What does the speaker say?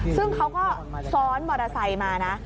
ซึ่งเขาก็ซ้อนมอเตอร์ไซค์มานะ